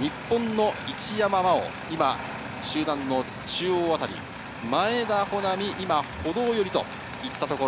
日本の一山麻緒、今、集団の中央辺り、前田穂南、今、歩道寄りといったところ。